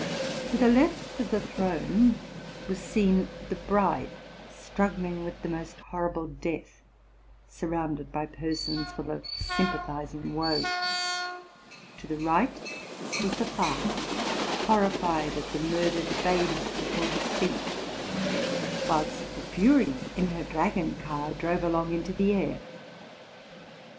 To the left of the throne was seen the bride strug gling with the most horrible death, surrounded by persons full of sympathizing woe; to the right was the father, horri fied at the murdered babes before his feet ; whilst the Fury, in her dragon car, drove along into the air.